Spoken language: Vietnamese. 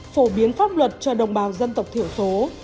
phổ biến pháp luật cho đồng bào dân tộc thiểu số